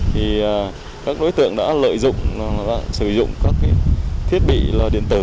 thì các đối tượng đã lợi dụng sử dụng các thiết bị điện tử